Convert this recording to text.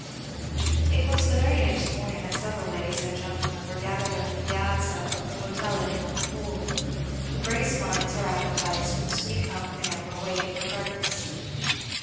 It was the very next morning that several ladies and gentlemen were gathered on the piazza of the hotel at Montepoole, to brace minds or appetites with the sweet mountain air while waiting for breakfast.